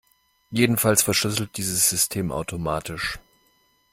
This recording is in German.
Jedenfalls verschlüsselt dieses System automatisch.